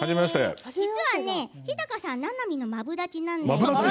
実はね、日高さんななみのマブダチなんだよね。